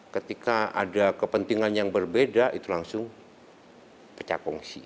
ketika ada kepentingan yang berbeda itu langsung pecah kongsi